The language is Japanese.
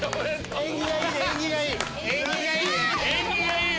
・縁起がいいよ。